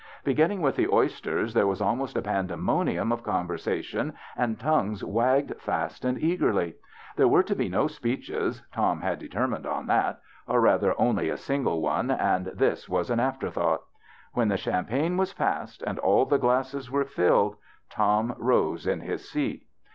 Beginning with the oysters, there was almost a pandemonium of conversation, and tongues wagged fast and eagerly. There were to be no speeches — Tom had deter mined on that — or rather only a single one, 46 THE BACHELOR'S CHRISTMAS and this was an after tlionglit. When the champagne was passed, and all the glasses were filled, Tom rose in his seat.